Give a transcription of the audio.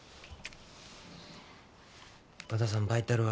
和田さんバイタルは？